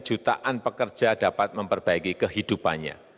jutaan pekerja dapat memperbaiki kehidupannya